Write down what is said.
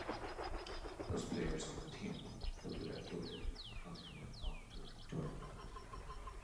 Those players on the team who could afford it continued on to tour England.